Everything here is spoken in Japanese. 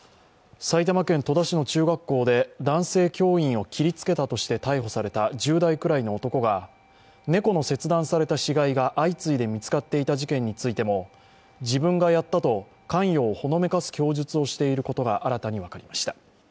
埼玉県戸田市の中学校で男性教員を切りつけたとして逮捕された１０代くらいの男が猫の切断された死骸が相次いで見つかっていた事件についても自分がやったと関与をほのめかす供述をしていることが新たに分かりました。